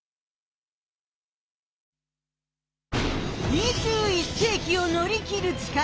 ２１世きを乗り切る力。